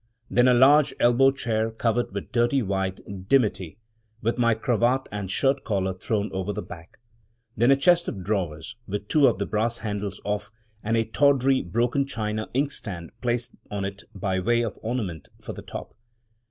Then a large elbow chair covered with dirty white dimity, with my cravat and shirt collar thrown over the back. Then a chest of drawers with two of the brass handles off, and a tawdry, broken china inkstand placed on it by way of ornament for the top.